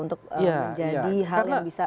menurut anda itu menjadi hal yang bisa